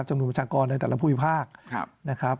จำนวนมจากรในแต่ละภูมิภาค